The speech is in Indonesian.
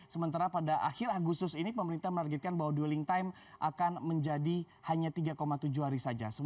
sementara pada akhir agustus ini pemerintah menargetkan bahwa dwelling time akan menjadi hanya tiga tujuh hari saja